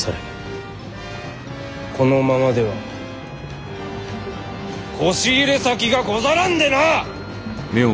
このままではこし入れ先がござらんでなあ！